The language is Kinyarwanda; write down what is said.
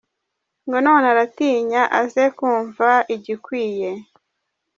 Ngo none aratinya aze kumva igikwiye.